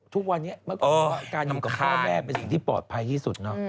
ทุกวันนี้เมื่อก่อนการอยู่กับพ่อแม่เป็นสิ่งที่ปลอดภัยที่สุดเนาะ